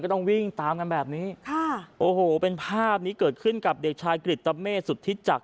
ต้องวิ่งตามกันแบบนี้ค่ะโอ้โหเป็นภาพนี้เกิดขึ้นกับเด็กชายกริตเมฆสุธิจักร